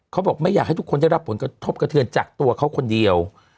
เขาบอกไม่อยากให้ทุกคนได้รับผลกระทบกระเทือนจากตัวเขาคนเดียว